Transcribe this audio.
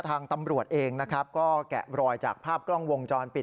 ทางตำรวจเองนะครับก็แกะรอยจากภาพกล้องวงจรปิด